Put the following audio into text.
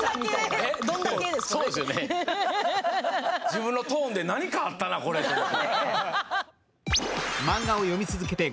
自分のトーンで、何かあったな、これって。